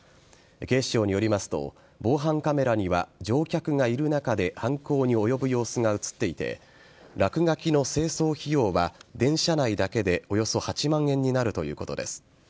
警視庁によりますと防犯カメラには乗客がいる中で犯行に及ぶ様子が映っていて落書きの清掃費用は車内だけでおよそ８万円になるということです。